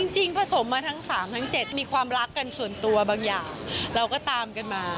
ผสมมาทั้ง๓ทั้ง๗มีความรักกันส่วนตัวบางอย่างเราก็ตามกันมา